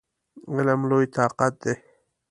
علم لوی طاقت دی!